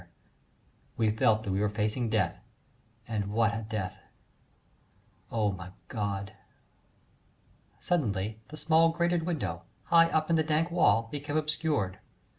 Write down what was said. We felt that we were facing death and what a death! O, my God! Suddenly the small grated window high up in the dank wall became obscured.